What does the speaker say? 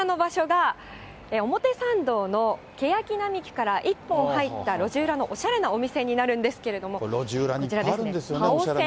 こちらの場所が表参道のけやき並木から１本入った路地裏のおしゃれなお店になるんですけれども。